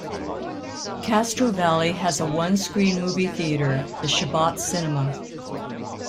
Castro Valley has a one-screen movie theater, the Chabot Cinema.